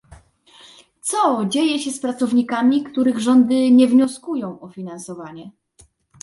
Co dzieje się z pracownikami, których rządy nie wnioskują o finansowanie?